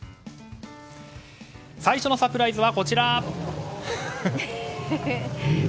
最初のサプライズは、こちら。